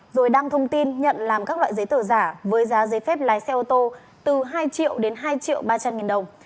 rồi đăng thông tin nhận làm các loại giấy tờ giả với giá giấy phép lái xe ô tô từ hai triệu đến hai triệu ba trăm linh nghìn đồng